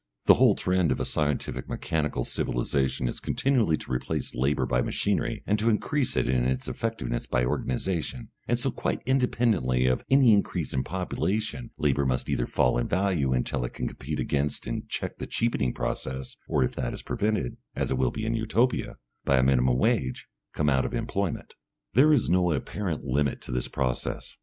The whole trend of a scientific mechanical civilisation is continually to replace labour by machinery and to increase it in its effectiveness by organisation, and so quite independently of any increase in population labour must either fall in value until it can compete against and check the cheapening process, or if that is prevented, as it will be in Utopia, by a minimum wage, come out of employment. There is no apparent limit to this process.